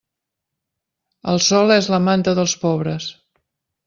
El sol és la manta dels pobres.